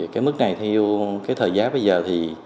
cái mức này theo cái thời giá bây giờ thì